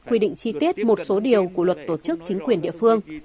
quy định chi tiết một số điều của luật tổ chức chính quyền địa phương